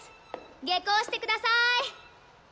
下校してください。